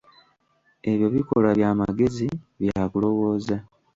Ebyo bikolwa bya magezi, bya kulowooza.